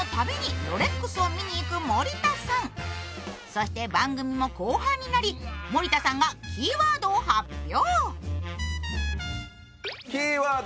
そして番組も後半になり、森田さんがキーワードを発表。